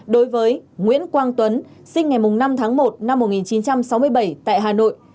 đối với nguyễn quang tuấn sinh ngày năm tháng một năm một nghìn chín trăm sáu mươi bảy tại hà nội